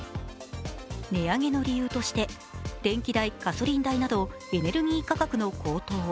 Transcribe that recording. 値上げの理由として電気代、ガソリン代などエネルギー価格の高騰。